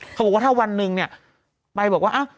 เขาบอกว่าถ้าวันหนึ่งเนี่ยไปบอกว่า